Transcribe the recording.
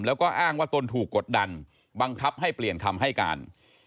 แล้วก็อ้างว่าตนถูกกดดันบังคับให้เปลี่ยนคำให้การ